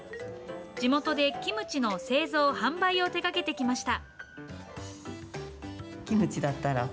地元でキムチの製造・販売を手がけてきました。